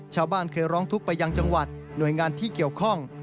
ชาวบ้านเคยร้องทุกข์ไปยังจังหวัดหน่วยงานที่เกี่ยวข้อง